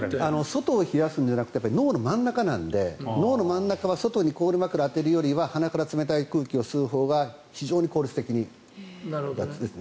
外を冷やすんじゃなくて脳の真ん中なので脳の真ん中は外に氷枕を当てるよりは鼻から冷たい空気を吸うほうが非常に効率的です。